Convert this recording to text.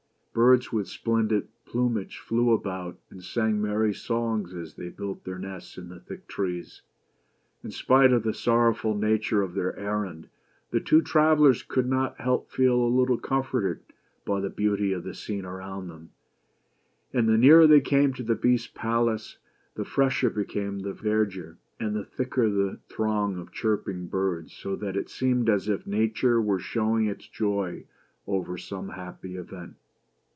Birds with splendid plumage flew about, and sang merry songs as they built their nests in the thick trees. In spite of the sorrowful nature of their errand, the two travelers could not help feeling a little comforted by the beauty of the scene around them, and the nearer they came to the Beast's palace, the fresher became the verdure, and the thicker the BEAUTY AND THE BEAST. throng of chirping birds, so that it seemed as if Nature were showing its joy over some happy event.